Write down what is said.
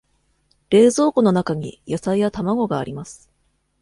冷蔵庫の中に野菜や卵があります。